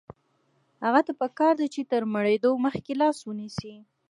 هغه ته پکار ده چې تر مړېدو مخکې لاس ونیسي.